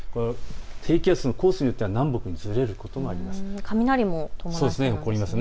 低気圧のコースによっては南北にずれる可能性があります。